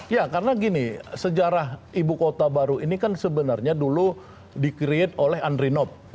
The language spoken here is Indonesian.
ya karena gini sejarah ibu kota baru ini kan sebenarnya dulu di create oleh andri nob